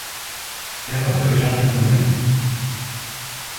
Ea lapurrik sartzen ez den!